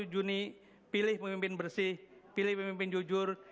dua puluh juni pilih pemimpin bersih pilih pemimpin jujur